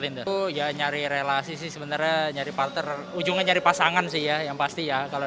ya nyari relasi sih sebenarnya nyari parter ujungnya nyari pasangan sih ya yang pasti ya kalau